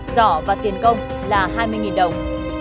giỏ và tiền công là hai mươi đồng